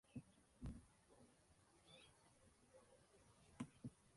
La centralidad de vector propio mide la influencia de un nodo en una red.